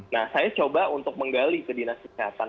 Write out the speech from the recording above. nah saya coba untuk menggali ke dinas kesehatan